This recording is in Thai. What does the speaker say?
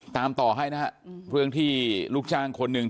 ตามต่อให้นะฮะเรื่องที่ลูกจ้างคนหนึ่ง